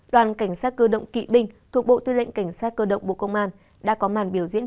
đoàn cảnh sát cơ động kỵ binh thuộc bộ tư lệnh cảnh sát cơ động bộ công an đã có màn biểu diễn